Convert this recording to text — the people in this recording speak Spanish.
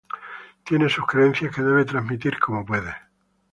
Tiene sus creencias que debe transmitir como puede".